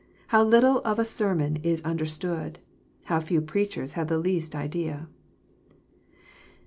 How little of a sermon Is under stood, few preachers have the least idea!